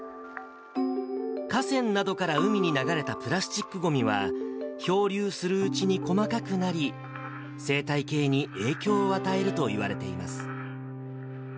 河川などから海に流れたプラスチックごみは、漂流するうちに細かくなり、生態系に影響を与えるといわれています。